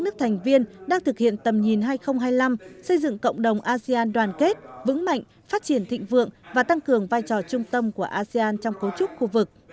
cộng đồng asean đoàn kết vững mạnh phát triển thịnh vượng và tăng cường vai trò trung tâm của asean trong cấu trúc khu vực